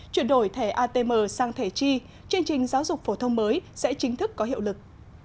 chuyển đổi thẻ atm sang thẻ chi chương trình giáo dục phổ thông mới sẽ chính thức có hiệu lực